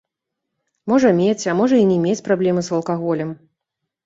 Можа мець, а можа і не мець праблемы з алкаголем.